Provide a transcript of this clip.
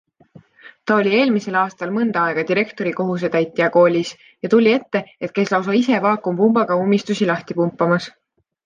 Ta oli eelmisel aastal mõnda aega direktori kohusetäitja koolis ja tuli ette, et käis lausa ise vaakumpumbaga ummistusi lahti pumpamas.